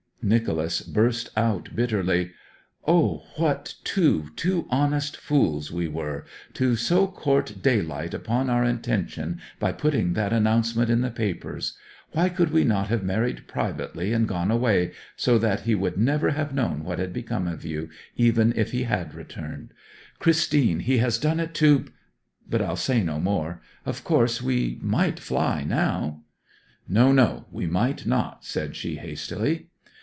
Nicholas burst out bitterly: 'O what too, too honest fools we were! to so court daylight upon our intention by putting that announcement in the papers! Why could we not have married privately, and gone away, so that he would never have known what had become of you, even if he had returned? Christine, he has done it to ... But I'll say no more. Of course we might fly now.' 'No, no; we might not,' said she hastily.